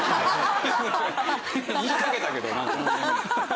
言いかけたけどなんか。